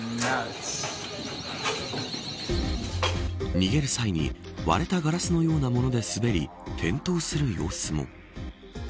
逃げる際に割れたガラスのようなもので滑り転倒する様子も。